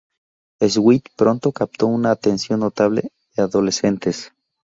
Sweet pronto captó una atención notable de adolescentes.